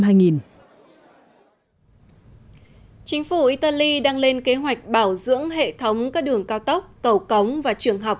chính phủ italy đang lên kế hoạch bảo dưỡng hệ thống các đường cao tốc cầu cống và trường học